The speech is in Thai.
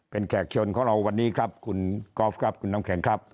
เป็นแขกเชิญของเราวันนี้ครับคุณกอล์ฟครับคุณน้ำแข็งครับ